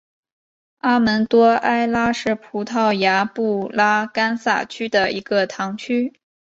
阿门多埃拉是葡萄牙布拉干萨区的一个堂区。